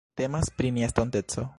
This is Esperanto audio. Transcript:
Temas pri nia estonteco.